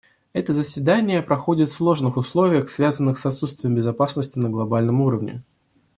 Это заседание проходит в сложных условиях, связанных с отсутствием безопасности на глобальном уровне.